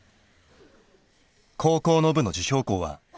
高校の部の受賞校は。